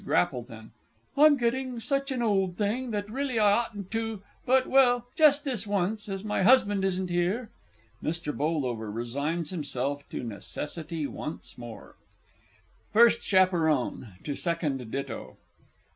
GRAPPLETON. I'm getting such an old thing, that really I oughtn't to but well, just this once, as my husband isn't here. [MR. BOLDOVER resigns himself to necessity once more. FIRST CHAPERON (to second ditto).